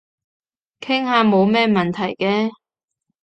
傾下冇咩問題嘅